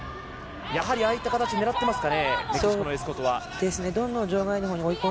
やはりああいった形を狙っていますか？